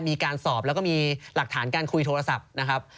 มีการสอบแล้วก็มีหลักฐานการคุยโทรศัพท์นะครับ